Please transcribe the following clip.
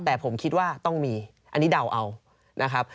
แต่ผมคิดว่าต้องมีอันนี้เดาเอานะครับ